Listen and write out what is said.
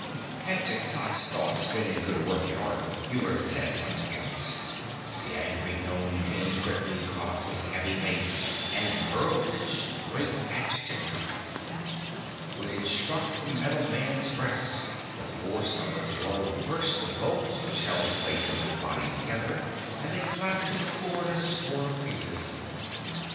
Had Tiktok's thoughts been in good working order he would have said something else. The angry Nome King quickly caught up his heavy mace and hurled it straight at Tiktok. When it struck the metal man's breast, the force of the blow burst the bolts which held the plates of his body together and they clattered to the floor in a score of pieces.